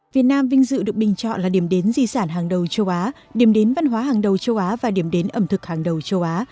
việt nam vinh dự được bình chọn là điểm đến di sản hàng đầu châu á điểm đến văn hóa hàng đầu châu á và điểm đến ẩm thực hàng đầu châu á